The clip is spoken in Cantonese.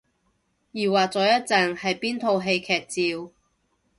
疑惑咗一陣係邊套戲劇照